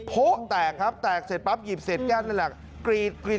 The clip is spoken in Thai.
โพ๊ะแตกครับแตกเสร็จปั๊บหยิบเสร็จแก้นนั่นแหละ